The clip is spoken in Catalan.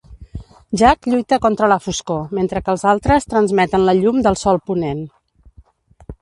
Jack lluita contra la foscor mentre que els altres transmeten la llum del sol ponent.